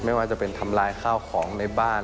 ไม่ว่าจะเป็นทำลายข้าวของในบ้าน